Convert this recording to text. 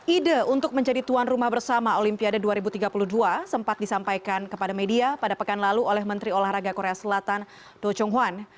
ide untuk menjadi tuan rumah bersama olimpiade dua ribu tiga puluh dua sempat disampaikan kepada media pada pekan lalu oleh menteri olahraga korea selatan do jonghuan